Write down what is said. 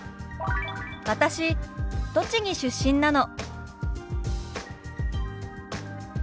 「私栃木出身なの」。